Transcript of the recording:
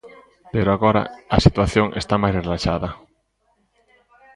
Pero agora a situación está máis relaxada.